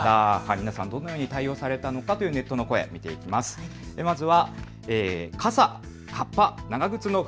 皆さん、どのように対応されたのかというネットの声、まずは。